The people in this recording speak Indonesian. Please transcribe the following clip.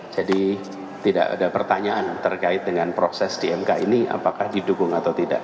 jadi tidak ada pertanyaan terkait dengan proses di mk ini apakah didukung atau tidak